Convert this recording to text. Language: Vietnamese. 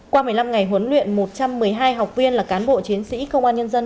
qua một mươi năm ngày huấn luyện một trăm một mươi hai học viên là cán bộ chiến sĩ công an nhân dân